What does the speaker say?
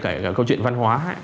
cái câu chuyện văn hóa